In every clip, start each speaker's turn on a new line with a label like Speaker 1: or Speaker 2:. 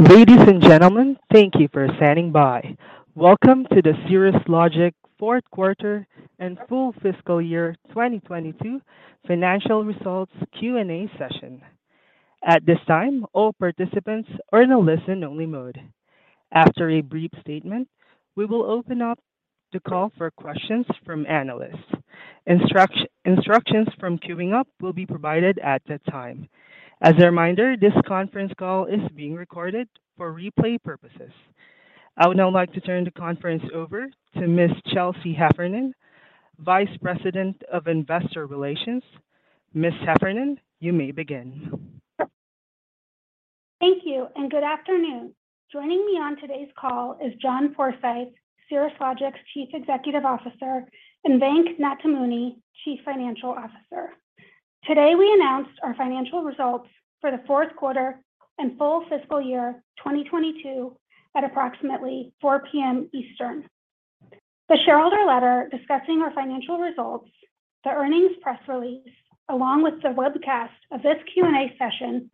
Speaker 1: Ladies and gentlemen, thank you for standing by. Welcome to the Cirrus Logic Q4 and Full Fiscal Year 2022 Financial Results Q&A Session. At this time, all participants are in a listen-only mode. After a brief statement, we will open up the call for questions from analysts. Instructions for queuing up will be provided at that time. As a reminder, this conference call is being recorded for replay purposes. I would now like to turn the conference over to Ms. Chelsea Heffernan, Vice President of Investor Relations. Ms. Heffernan, you may begin.
Speaker 2: Thank you, and good afternoon. Joining me on today's call is John Forsyth, Cirrus Logic's Chief Executive Officer, and Venk Nathamuni, Chief Financial Officer. Today, we announced our financial results for the Q4 and full fiscal year 2022 at approximately 4 P.M. Eastern. The shareholder letter discussing our financial results, the earnings press release, along with the webcast of this Q&A session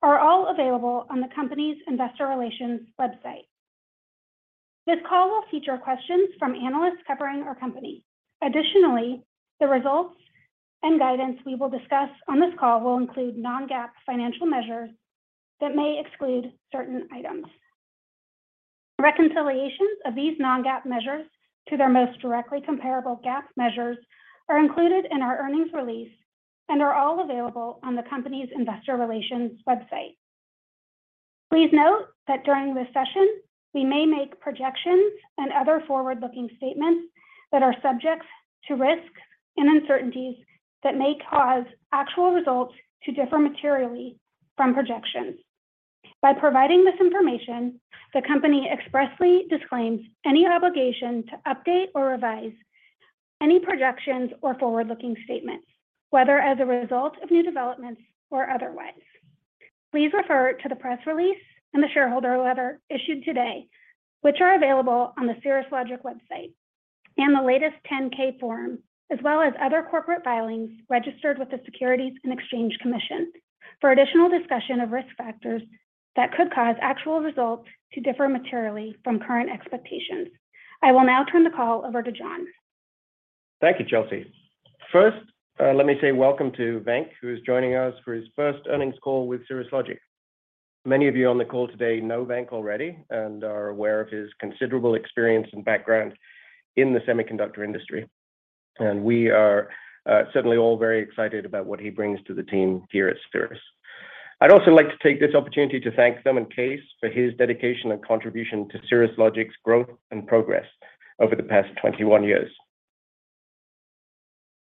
Speaker 2: are all available on the company's investor relations website. This call will feature questions from analysts covering our company. Additionally, the results and guidance we will discuss on this call will include non-GAAP financial measures that may exclude certain items. Reconciliations of these non-GAAP measures to their most directly comparable GAAP measures are included in our earnings release and are all available on the company's investor relations website. Please note that during this session, we may make projections and other forward-looking statements that are subject to risks and uncertainties that may cause actual results to differ materially from projections. By providing this information, the company expressly disclaims any obligation to update or revise any projections or forward-looking statements, whether as a result of new developments or otherwise. Please refer to the press release and the shareholder letter issued today, which are available on the Cirrus Logic website, and the latest Form 10-K, as well as other corporate filings registered with the Securities and Exchange Commission for additional discussion of risk factors that could cause actual results to differ materially from current expectations. I will now turn the call over to John.
Speaker 3: Thank you, Chelsea. First, let me say welcome to Venk, who is joining us for his first earnings call with Cirrus Logic. Many of you on the call today know Venk already and are aware of his considerable experience and background in the semiconductor industry, and we are certainly all very excited about what he brings to the team here at Cirrus. I'd also like to take this opportunity to thank Thurman Case for his dedication and contribution to Cirrus Logic's growth and progress over the past 21 years.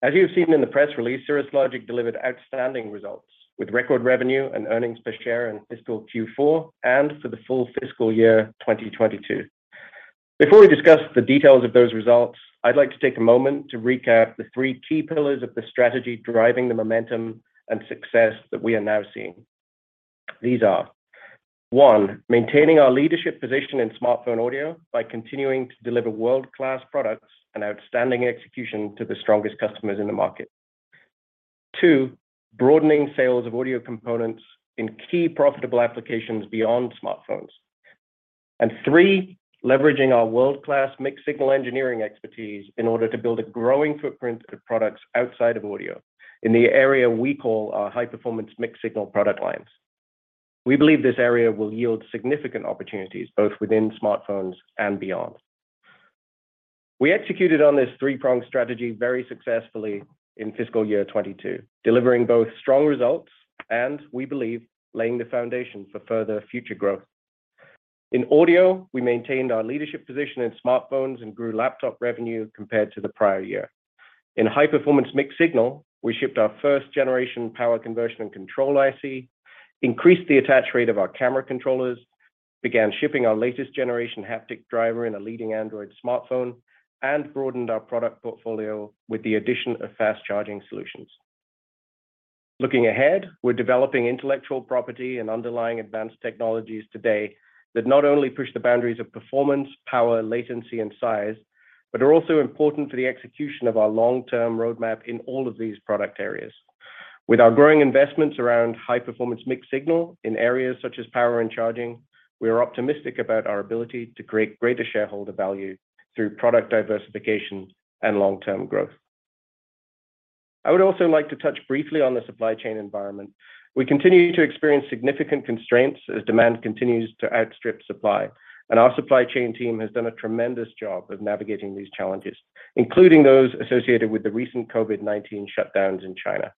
Speaker 3: As you've seen in the press release, Cirrus Logic delivered outstanding results, with record revenue and earnings per share in fiscal Q4 and for the full fiscal year 2022. Before we discuss the details of those results, I'd like to take a moment to recap the three key pillars of the strategy driving the momentum and success that we are now seeing. These are, one, maintaining our leadership position in smartphone audio by continuing to deliver world-class products and outstanding execution to the strongest customers in the market. Two, broadening sales of audio components in key profitable applications beyond smartphones. And three, leveraging our world-class mixed-signal engineering expertise in order to build a growing footprint of products outside of audio in the area we call our high-performance mixed-signal product lines. We believe this area will yield significant opportunities both within smartphones and beyond. We executed on this three-pronged strategy very successfully in fiscal year 2022, delivering both strong results and, we believe, laying the foundation for further future growth. In audio, we maintained our leadership position in smartphones and grew laptop revenue compared to the prior year. In high-performance mixed-signal, we shipped our first generation power conversion and control IC, increased the attach rate of our camera controllers, began shipping our latest generation haptic driver in a leading Android smartphone, and broadened our product portfolio with the addition of fast charging solutions. Looking ahead, we're developing intellectual property and underlying advanced technologies today that not only push the boundaries of performance, power, latency, and size, but are also important for the execution of our long-term roadmap in all of these product areas. With our growing investments around high-performance mixed-signal in areas such as power and charging, we are optimistic about our ability to create greater shareholder value through product diversification and long-term growth. I would also like to touch briefly on the supply chain environment. We continue to experience significant constraints as demand continues to outstrip supply, and our supply chain team has done a tremendous job of navigating these challenges, including those associated with the recent COVID-19 shutdowns in China.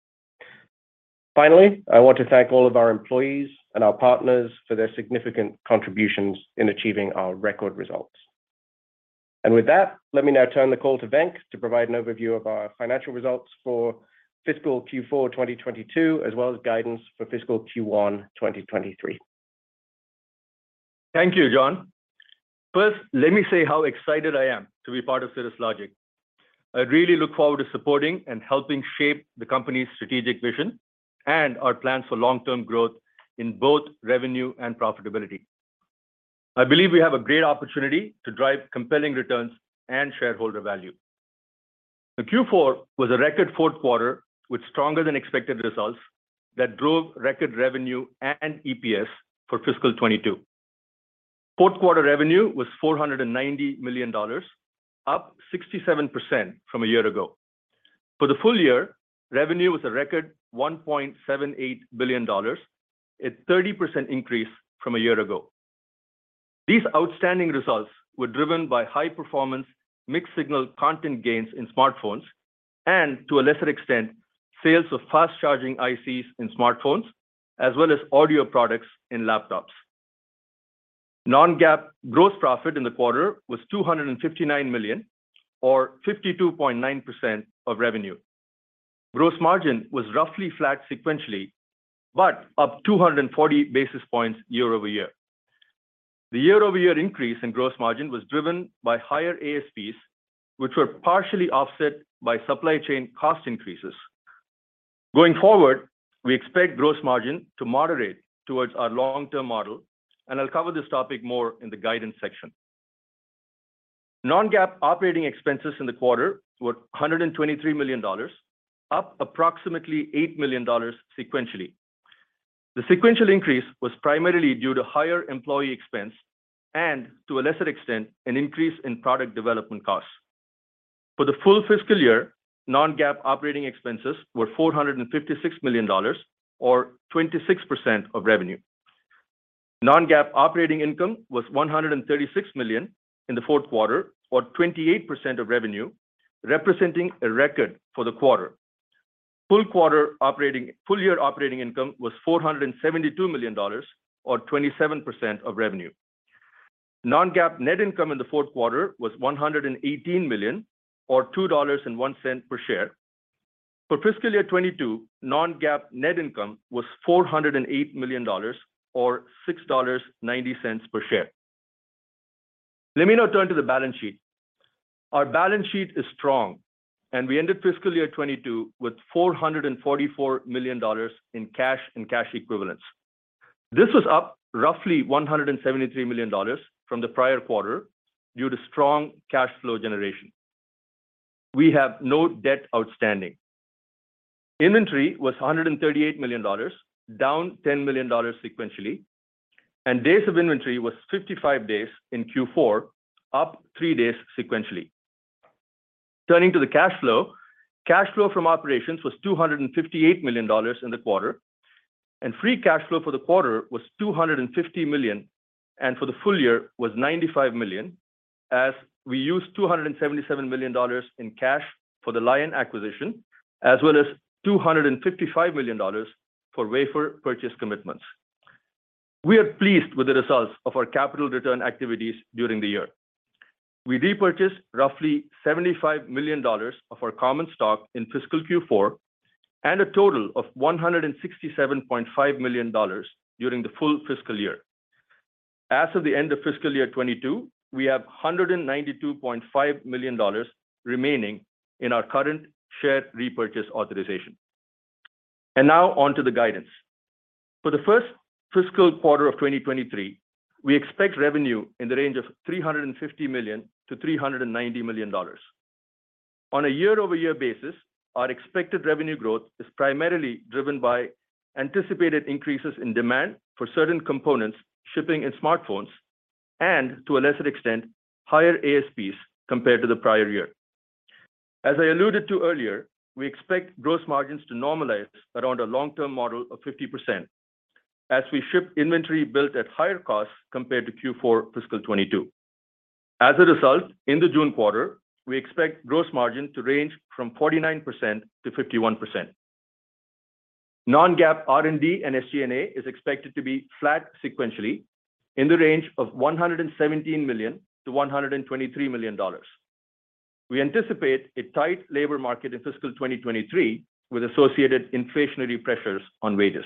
Speaker 3: Finally, I want to thank all of our employees and our partners for their significant contributions in achieving our record results. With that, let me now turn the call to Venk to provide an overview of our financial results for fiscal Q4 2022, as well as guidance for fiscal Q1 2023.
Speaker 4: Thank you, John. First, let me say how excited I am to be part of Cirrus Logic. I really look forward to supporting and helping shape the company's strategic vision and our plans for long-term growth in both revenue and profitability. I believe we have a great opportunity to drive compelling returns and shareholder value. The Q4 was a record Q4 with stronger than expected results that drove record revenue and EPS for fiscal 2022. Q4 revenue was $490 million, up 67% from a year ago. For the full year, revenue was a record $1.78 billion, a 30% increase from a year ago. These outstanding results were driven by high-performance mixed-signal content gains in smartphones and to a lesser extent, sales of fast-charging ICs in smartphones, as well as audio products in laptops. Non-GAAP gross profit in the quarter was $259 million or 52.9% of revenue. Gross margin was roughly flat sequentially, but up 240 basis points year-over-year. The year-over-year increase in gross margin was driven by higher ASPs, which were partially offset by supply chain cost increases. Going forward, we expect gross margin to moderate towards our long-term model, and I'll cover this topic more in the guidance section. Non-GAAP operating expenses in the quarter were $123 million, up approximately $8 million sequentially. The sequential increase was primarily due to higher employee expense and to a lesser extent, an increase in product development costs. For the full fiscal year, non-GAAP operating expenses were $456 million or 26% of revenue. Non-GAAP operating income was $136 million in the Q4, or 28% of revenue, representing a record for the quarter. Full year operating income was $472 million or 27% of revenue. Non-GAAP net income in the Q4 was $118 million or $2.01 per share. For fiscal year 2022, non-GAAP net income was $408 million or $6.90 per share. Let me now turn to the balance sheet. Our balance sheet is strong, and we ended fiscal year 2022 with $444 million in cash and cash equivalents. This was up roughly $173 million from the prior quarter due to strong cash flow generation. We have no debt outstanding. Inventory was $138 million, down $10 million sequentially, and days of inventory was 55 days in Q4, up 3 days sequentially. Turning to the cash flow, cash flow from operations was $258 million in the quarter, and free cash flow for the quarter was $250 million, and for the full year was $95 million as we used $277 million in cash for the Lion acquisition, as well as $255 million for wafer purchase commitments. We are pleased with the results of our capital return activities during the year. We repurchased roughly $75 million of our common stock in fiscal Q4, and a total of $167.5 million during the full fiscal year. As of the end of fiscal year 2022, we have $192.5 million remaining in our current share repurchase authorization. Now on to the guidance. For the first fiscal quarter of 2023, we expect revenue in the range of $350-390 million. On a year-over-year basis, our expected revenue growth is primarily driven by anticipated increases in demand for certain components, shipping in smartphones, and to a lesser extent, higher ASPs compared to the prior year. We expect gross margins to normalize around a long-term model of 50% as we ship inventory built at higher costs compared to Q4 fiscal 2022. As a result, in the June quarter, we expect gross margin to range from 49%-51%. Non-GAAP R&D and SG&A is expected to be flat sequentially in the range of $117-123 million. We anticipate a tight labor market in fiscal 2023 with associated inflationary pressures on wages.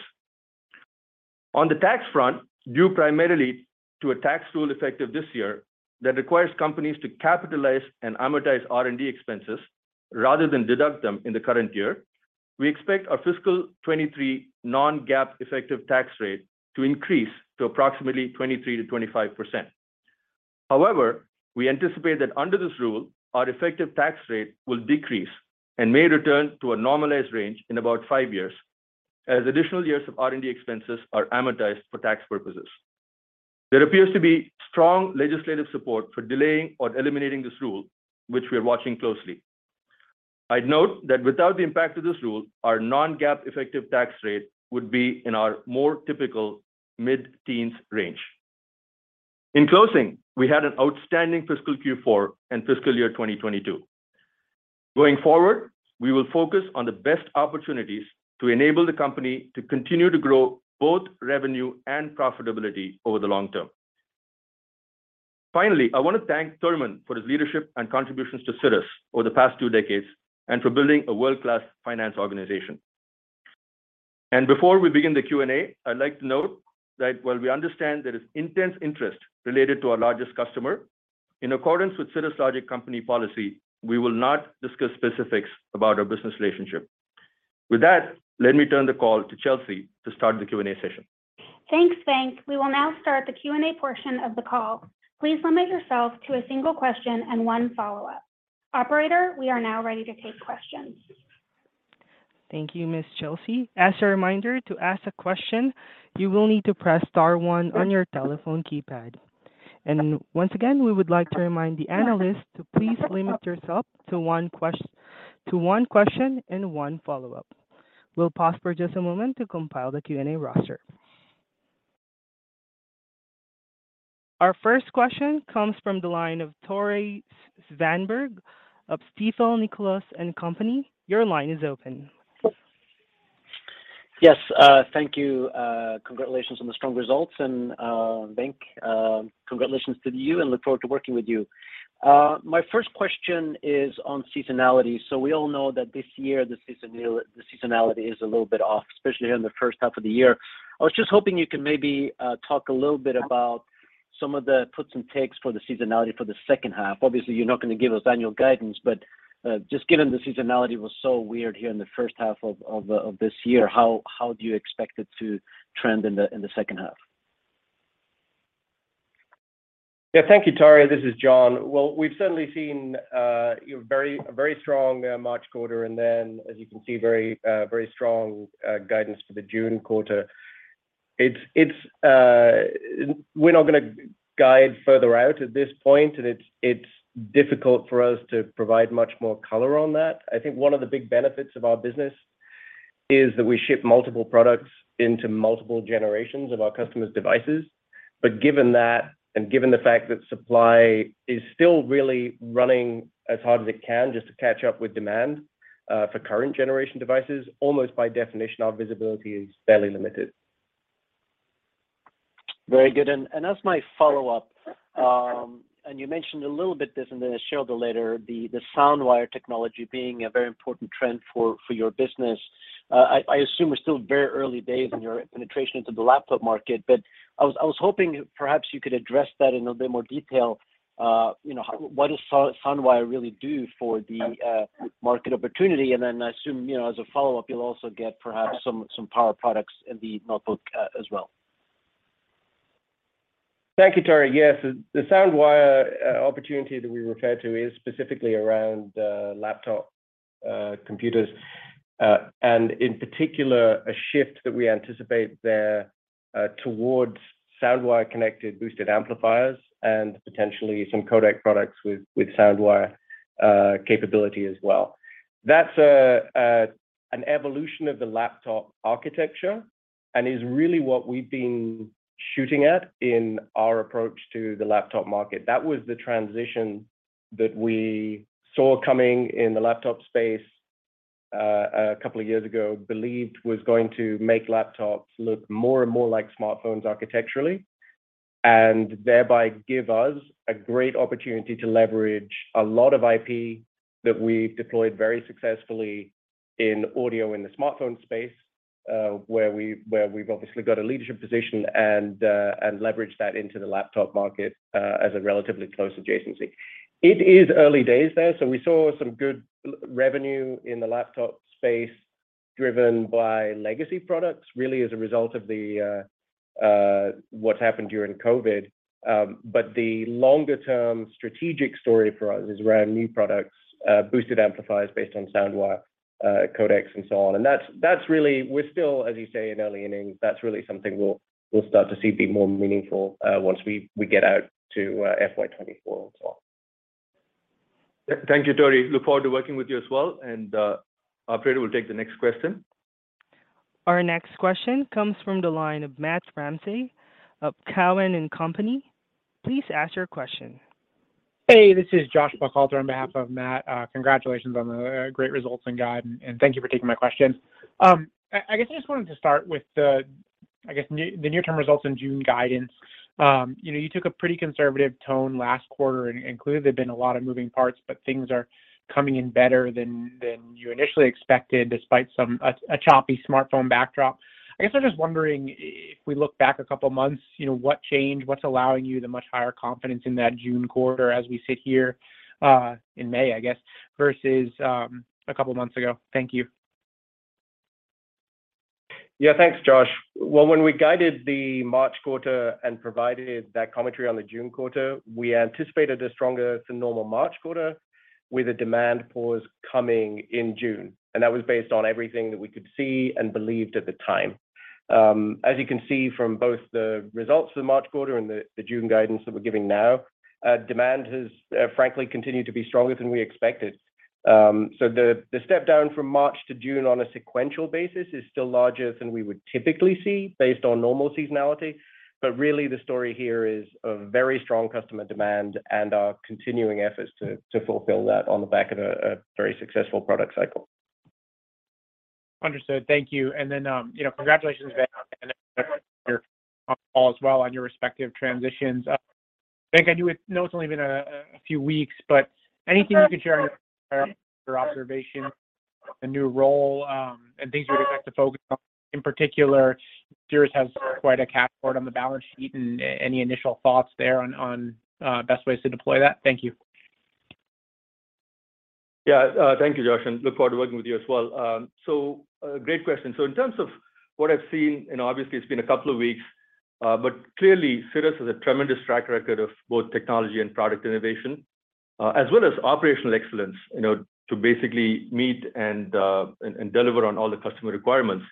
Speaker 4: On the tax front, due primarily to a tax rule effective this year that requires companies to capitalize and amortize R&D expenses rather than deduct them in the current year, we expect our fiscal 2023 non-GAAP effective tax rate to increase to approximately 23%-25%. However, we anticipate that under this rule, our effective tax rate will decrease and may return to a normalized range in about 5 years as additional years of R&D expenses are amortized for tax purposes. There appears to be strong legislative support for delaying or eliminating this rule, which we are watching closely. I'd note that without the impact of this rule, our non-GAAP effective tax rate would be in our more typical mid-teens range. In closing, we had an outstanding fiscal Q4 and fiscal year 2022. Going forward, we will focus on the best opportunities to enable the company to continue to grow both revenue and profitability over the long term. Finally, I want to thank Thurman for his leadership and contributions to Cirrus Logic over the past two decades and for building a world-class finance organization. Before we begin the Q&A, I'd like to note that while we understand there is intense interest related to our largest customer, in accordance with Cirrus Logic company policy, we will not discuss specifics about our business relationship. With that, let me turn the call to Chelsea to start the Q&A session.
Speaker 2: Thanks, Venk. We will now start the Q&A portion of the call. Please limit yourself to a single question and one follow-up. Operator, we are now ready to take questions.
Speaker 1: Thank you, Ms. Chelsea. As a reminder, to ask a question, you will need to press star one on your telephone keypad. Once again, we would like to remind the analysts to please limit yourself to one question and one follow-up. We'll pause for just a moment to compile the Q&A roster. Our first question comes from the line of Tore Svanberg of Stifel Nicolaus & Company. Your line is open.
Speaker 5: Yes, thank you. Congratulations on the strong results and, Venk, congratulations to you, and look forward to working with you. My first question is on seasonality. We all know that this year the seasonality is a little bit off, especially in the first half of the year. I was just hoping you could maybe talk a little bit about some of the puts and takes for the seasonality for the second half. Obviously, you're not gonna give us annual guidance, but just given the seasonality was so weird here in the first half of this year, how do you expect it to trend in the second half?
Speaker 3: Yeah, thank you, Tore. This is John. Well, we've certainly seen, you know, a very strong March quarter, and then as you can see, very strong guidance for the June quarter. We're not gonna guide further out at this point, and it's difficult for us to provide much more color on that. I think one of the big benefits of our business is that we ship multiple products into multiple generations of our customers' devices. Given that, and given the fact that supply is still really running as hard as it can just to catch up with demand for current generation devices, almost by definition, our visibility is fairly limited.
Speaker 5: Very good. As my follow-up, you mentioned a little bit about this and then the latter, the SoundWire technology being a very important trend for your business. I assume we're still very early days in your penetration into the laptop market, but I was hoping perhaps you could address that in a bit more detail. What does SoundWire really do for the market opportunity? I assume, as a follow-up, you'll also get perhaps some power products in the notebook as well.
Speaker 3: Thank you, Tore. Yes. The SoundWire opportunity that we refer to is specifically around laptop computers, and in particular, a shift that we anticipate there towards SoundWire connected boosted amplifiers and potentially some codec products with SoundWire capability as well. That's an evolution of the laptop architecture and is really what we've been shooting at in our approach to the laptop market. That was the transition that we saw coming in the laptop space, a couple of years ago, believed was going to make laptops look more and more like smartphones architecturally, and thereby give us a great opportunity to leverage a lot of IP that we deployed very successfully in audio in the smartphone space, where we've obviously got a leadership position and leverage that into the laptop market, as a relatively close adjacency. It is early days there, so we saw some good revenue in the laptop space driven by legacy products, really as a result of what happened during COVID. The longer term strategic story for us is around new products, boosted amplifiers based on SoundWire, codecs and so on. That's really. We're still, as you say, in early innings. That's really something we'll start to see be more meaningful once we get out to FY 2024 and so on.
Speaker 4: Thank you, Tore. Look forward to working with you as well, and operator will take the next question.
Speaker 1: Our next question comes from the line of Matt Ramsay of Cowen and Company. Please ask your question.
Speaker 6: Hey, this is Joshua Buchalter on behalf of Matt. Congratulations on the great results and guide, and thank you for taking my question. I guess I just wanted to start with the, I guess, the near term results in June guidance. You know, you took a pretty conservative tone last quarter, and clearly there's been a lot of moving parts, but things are coming in better than you initially expected, despite a choppy smartphone backdrop. I guess I'm just wondering, if we look back a couple of months, you know, what changed? What's allowing you the much higher confidence in that June quarter as we sit here in May, I guess, versus a couple of months ago? Thank you.
Speaker 3: Yeah. Thanks, Josh. Well, when we guided the March quarter and provided that commentary on the June quarter, we anticipated a stronger than normal March quarter with a demand pause coming in June. That was based on everything that we could see and believed at the time. As you can see from both the results of the March quarter and the June guidance that we're giving now, demand has frankly continued to be stronger than we expected. So the step down from March to June on a sequential basis is still larger than we would typically see based on normal seasonality. Really the story here is a very strong customer demand and our continuing efforts to fulfill that on the back of a very successful product cycle.
Speaker 6: Understood. Thank you. You know, congratulations, Venk, on your call as well on your respective transitions. Venk, I know it's only been a few weeks, but anything you can share your observation, the new role, and things you'd expect to focus on in particular. Cirrus has quite a cash hoard on the balance sheet and any initial thoughts there on best ways to deploy that? Thank you.
Speaker 4: Yeah, thank you, Josh, and look forward to working with you as well. Great question. In terms of what I've seen, and obviously it's been a couple of weeks, but clearly, Cirrus has a tremendous track record of both technology and product innovation, as well as operational excellence, you know, to basically meet and deliver on all the customer requirements.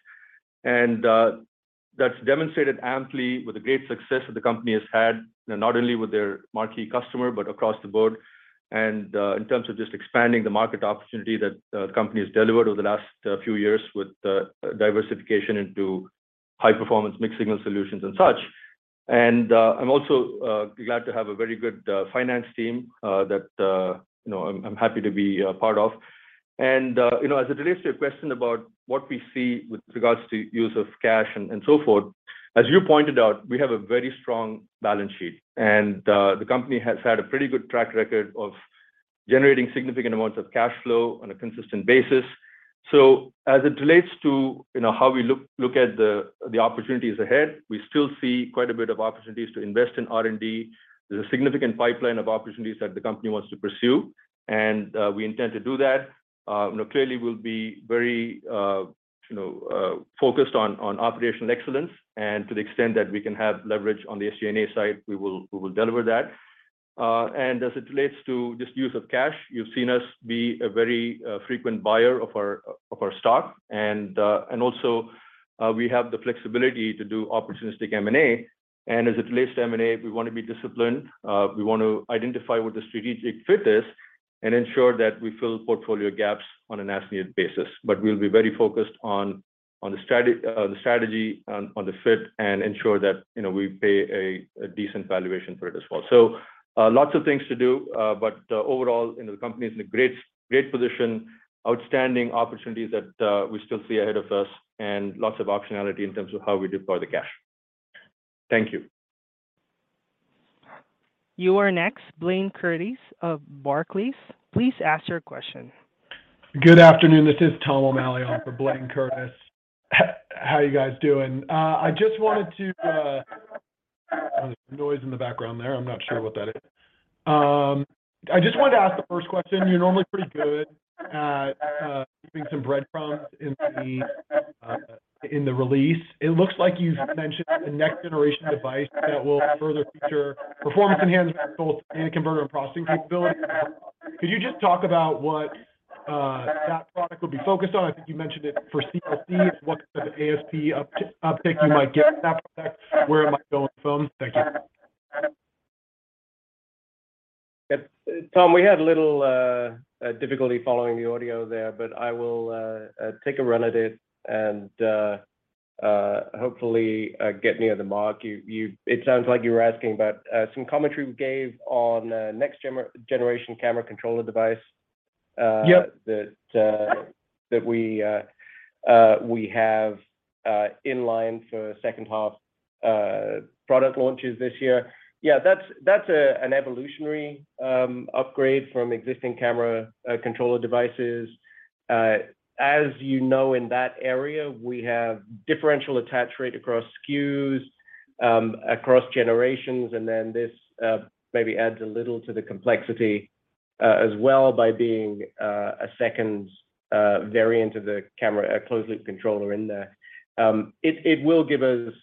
Speaker 4: That's demonstrated amply with the great success that the company has had, you know, not only with their marquee customer, but across the board. In terms of just expanding the market opportunity that the company has delivered over the last few years with diversification into high-performance mixed-signal solutions and such. I'm also glad to have a very good finance team that you know I'm happy to be part of. You know, as it relates to your question about what we see with regards to use of cash and so forth, as you pointed out, we have a very strong balance sheet. The company has had a pretty good track record of generating significant amounts of cash flow on a consistent basis. As it relates to you know how we look at the opportunities ahead, we still see quite a bit of opportunities to invest in R&D. There's a significant pipeline of opportunities that the company wants to pursue, and we intend to do that. You know, clearly we'll be very, you know, focused on operational excellence, and to the extent that we can have leverage on the SG&A side, we will deliver that. As it relates to just use of cash, you've seen us be a very frequent buyer of our stock, and also we have the flexibility to do opportunistic M&A. As it relates to M&A, we wanna be disciplined. We want to identify what the strategic fit is and ensure that we fill portfolio gaps on an as-needed basis. We'll be very focused on the strategy, on the fit, and ensure that, you know, we pay a decent valuation for it as well. Lots of things to do, but overall, you know, the company is in a great position, outstanding opportunities that we still see ahead of us and lots of optionality in terms of how we deploy the cash. Thank you.
Speaker 1: You are next, Blayne Curtis of Barclays. Please ask your question.
Speaker 7: Good afternoon. This is Thomas O'Malley on for Blayne Curtis. How are you guys doing? I just wanted to. There's some noise in the background there. I'm not sure what that is. I just wanted to ask the first question. You're normally pretty good at leaving some breadcrumbs in the release. It looks like you've mentioned a next-generation device that will further feature performance enhancements, both in converter and processing capabilities. Could you just talk about what that product would be focused on? I think you mentioned it for CLCs. What kind of ASP uptick you might get in that respect? Where it might go and from? Thank you.
Speaker 3: Yep. Tom, we had a little difficulty following the audio there, but I will take a run at it and hopefully get near the mark. It sounds like you were asking about some commentary we gave on a next generation camera controller device.
Speaker 7: Yep...
Speaker 3: that we have in line for second half product launches this year. Yeah, that's an evolutionary upgrade from existing camera controller devices. As you know, in that area, we have differential attach rate across SKUs across generations, and then this maybe adds a little to the complexity as well by being a second variant of the camera closed-loop controller in there. It will give us,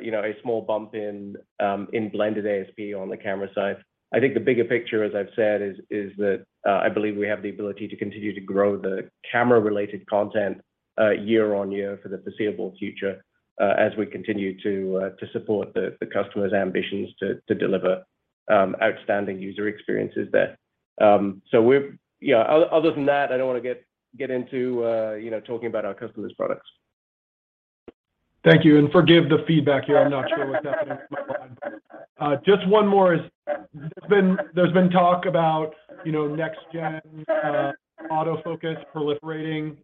Speaker 3: you know, a small bump in blended ASP on the camera side. I think the bigger picture, as I've said, is that I believe we have the ability to continue to grow the camera-related content year on year for the foreseeable future as we continue to support the customers' ambitions to deliver outstanding user experiences there. Yeah, other than that, I don't wanna get into you know talking about our customers' products.
Speaker 7: Thank you, and forgive the feedback here. I'm not sure what's happening with my line. Just one more is there's been talk about, you know, next-gen autofocus proliferating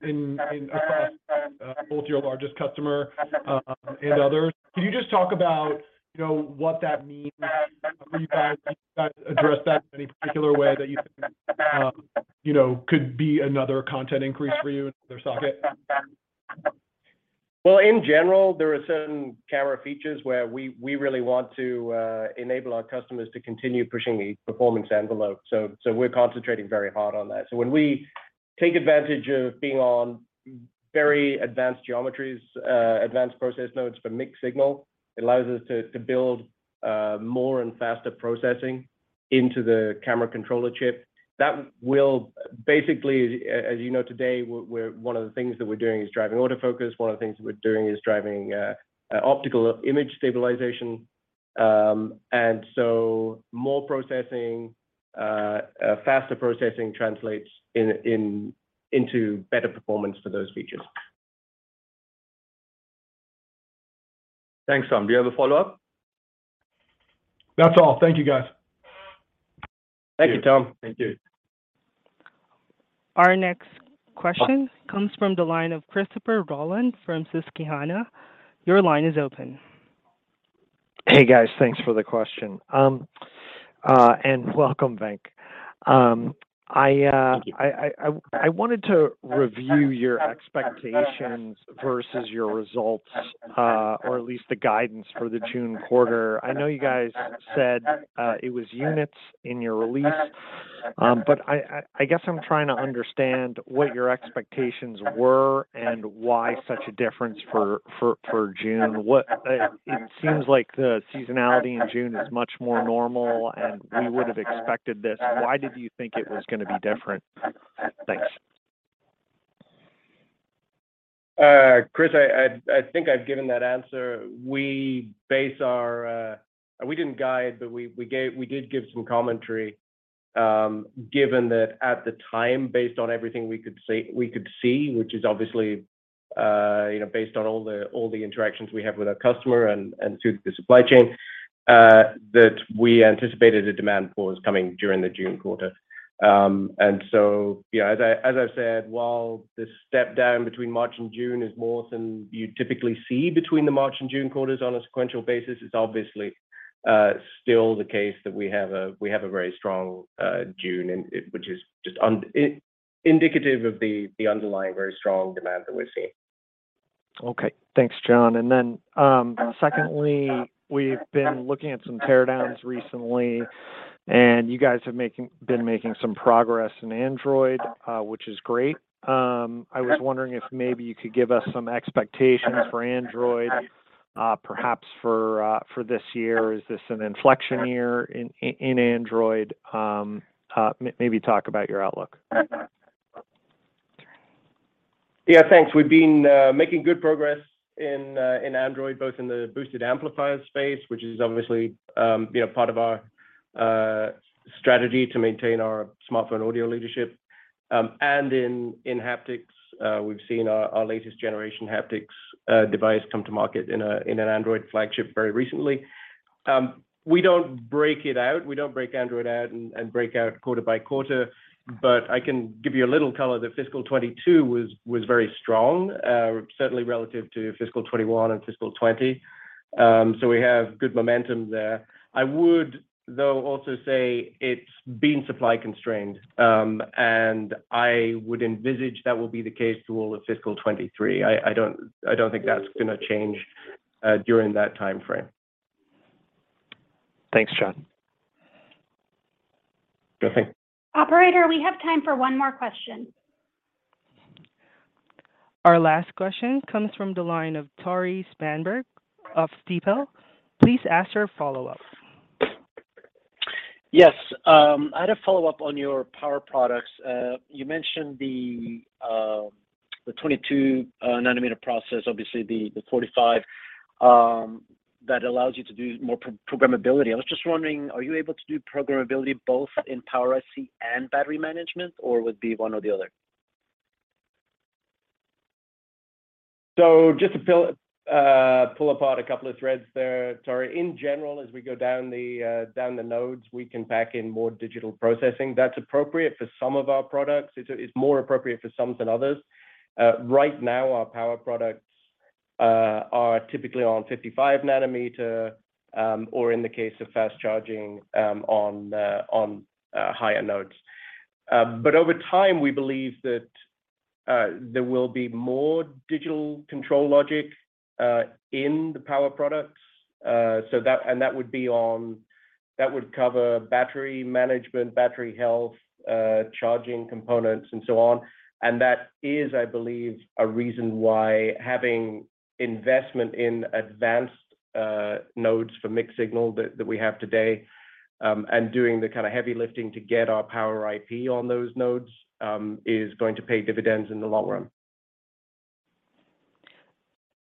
Speaker 7: across both your largest customer and others. Can you just talk about, you know, what that means for you guys? Do you guys address that in any particular way that you think, you know, could be another content increase for you in their socket?
Speaker 3: Well, in general, there are certain camera features where we really want to enable our customers to continue pushing the performance envelope. We're concentrating very hard on that. When we take advantage of being on very advanced geometries, advanced process nodes for mixed-signal, it allows us to build more and faster processing into the camera controller chip. That will basically, as you know today, we're one of the things that we're doing is driving autofocus. One of the things that we're doing is driving optical image stabilization. More processing, faster processing translates into better performance for those features. Thanks, Tom. Do you have a follow-up?
Speaker 7: That's all. Thank you, guys.
Speaker 3: Thank you.
Speaker 1: Thank you, Tom.
Speaker 3: Thank you.
Speaker 1: Our next question comes from the line of Christopher Rolland from Susquehanna. Your line is open.
Speaker 8: Hey, guys. Thanks for the question. Welcome, Venk. I wanted to review your expectations versus your results, or at least the guidance for the June quarter. I know you guys said it was units in your release, but I guess I'm trying to understand what your expectations were and why such a difference for June. It seems like the seasonality in June is much more normal, and we would have expected this. Why did you think it was gonna be different? Thanks.
Speaker 3: Chris, I think I've given that answer. We didn't guide, but we did give some commentary, given that at the time, based on everything we could see, which is obviously, you know, based on all the interactions we have with our customer and through the supply chain, that we anticipated a demand pause coming during the June quarter. You know, as I said, while the step down between March and June is more than you'd typically see between the March and June quarters on a sequential basis, it's obviously still the case that we have a very strong June, which is just indicative of the underlying very strong demand that we're seeing.
Speaker 8: Okay. Thanks, John. Secondly, we've been looking at some teardowns recently, and you guys have been making some progress in Android, which is great. I was wondering if maybe you could give us some expectations for Android, perhaps for this year. Is this an inflection year in Android? Maybe talk about your outlook.
Speaker 3: Yeah. Thanks. We've been making good progress in Android, both in the boosted amplifier space, which is obviously, you know, part of our strategy to maintain our smartphone audio leadership. And in haptics, we've seen our latest generation haptics device come to market in an Android flagship very recently. We don't break it out. We don't break Android out and break out quarter by quarter, but I can give you a little color that fiscal 2022 was very strong, certainly relative to fiscal 2021 and fiscal 2020. We have good momentum there. I would, though, also say it's been supply constrained, and I would envisage that will be the case to all of fiscal 2023. I don't think that's gonna change during that timeframe.
Speaker 8: Thanks, John.
Speaker 3: Sure thing.
Speaker 2: Operator, we have time for one more question.
Speaker 1: Our last question comes from the line of Tore Svanberg of Stifel. Please ask your follow-up.
Speaker 5: Yes. I had a follow-up on your power products. You mentioned the 22-nanometer process, obviously the 45-nanometer, that allows you to do more programmability. I was just wondering, are you able to do programmability both in power IC and battery management, or would be one or the other?
Speaker 3: Just to pull apart a couple of threads there, Tore. In general, as we go down the nodes, we can pack in more digital processing. That's appropriate for some of our products. It's more appropriate for some than others. Right now, our power products are typically on 55-nanometer, or in the case of fast charging, on higher nodes. But over time, we believe that there will be more digital control logic in the power products. That would cover battery management, battery health, charging components, and so on. That is, I believe, a reason why having investment in advanced nodes for mixed-signal that we have today, and doing the kinda heavy lifting to get our power IP on those nodes, is going to pay dividends in the long run.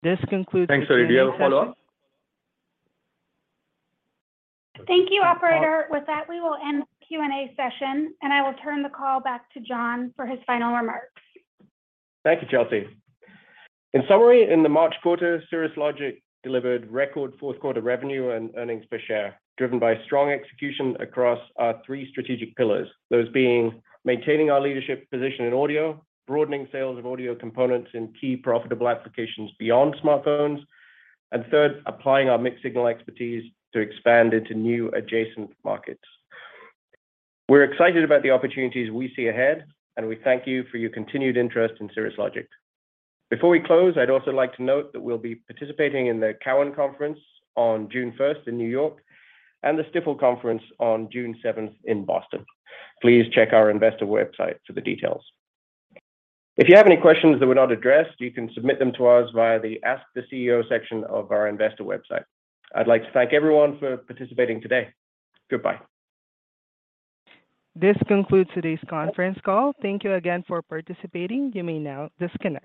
Speaker 1: This concludes today's session.
Speaker 3: Thanks, Tore Svanberg. Do you have a follow-up?
Speaker 2: Thank you, Operator. With that, we will end the Q&A session, and I will turn the call back to John for his final remarks.
Speaker 3: Thank you, Chelsea. In summary, in the March quarter, Cirrus Logic delivered record Q4 revenue and earnings per share, driven by strong execution across our three strategic pillars. Those being maintaining our leadership position in audio, broadening sales of audio components in key profitable applications beyond smartphones, and third, applying our mixed-signal expertise to expand into new adjacent markets. We're excited about the opportunities we see ahead, and we thank you for your continued interest in Cirrus Logic. Before we close, I'd also like to note that we'll be participating in the Cowen conference on June first in New York, and the Stifel conference on June seventh in Boston. Please check our investor website for the details. If you have any questions that were not addressed, you can submit them to us via the Ask the CEO section of our investor website. I'd like to thank everyone for participating today. Goodbye.
Speaker 1: This concludes today's conference call. Thank you again for participating. You may now disconnect.